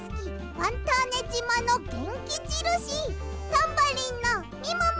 ファンターネじまのげんきじるしタンバリンのみもも！